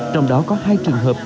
trong đó có hai trường hợp